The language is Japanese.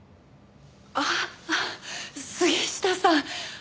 ああ杉下さん。